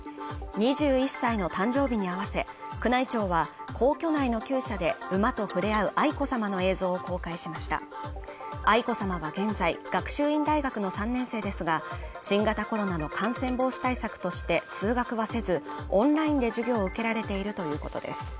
２１歳の誕生日に合わせ宮内庁は皇居内のきゅう舎で馬と触れ合う愛子さまの映像を公開しました愛子さまは現在学習院大学の３年生ですが新型コロナの感染防止対策として通学はせずオンラインで授業を受けられているということです